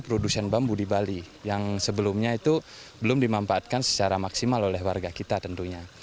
produsen bambu di bali yang sebelumnya itu belum dimanfaatkan secara maksimal oleh warga kita tentunya